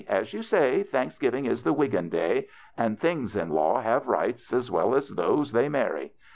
As you say, Thanksgiving is the Wiggin day, and things in law have rights, as well as those they marry.